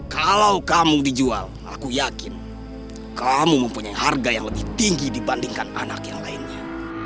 kalau kamu dijual aku yakin kamu mempunyai harga yang lebih tinggi dibandingkan anak yang lainnya